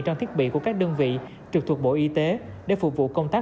trang thiết bị của các đơn vị trực thuộc bộ y tế để phục vụ công tác